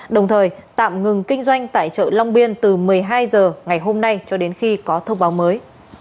đồng thời tạm ngừng kinh doanh tại chợ long biên từ một mươi hai h ngày hôm nay cho đến khi có thông báo mới